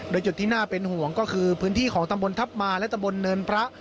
โดยจุดที่น่าเป็นห่วงก็คือพื้นที่ของตำบลทัพมาและตำบลเนินพระ